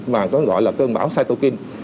mà gọi là cơn bão cytokine